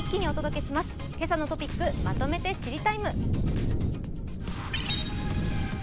「けさのトピックまとめて知りＴＩＭＥ，」。